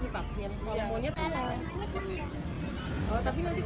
tapi nanti kalau dia sakit lularin ke kayak gitu bisa nggak sih